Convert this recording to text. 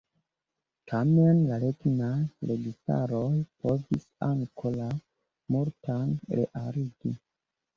Tamen la regnaj registaroj povis ankoraŭ multan realigi.